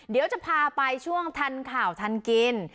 เดี๋ยวจะพาไปช่วงทันข่าวทันกิน